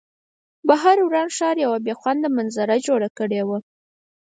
بهر وران ښار یوه بې خونده منظره جوړه کړې وه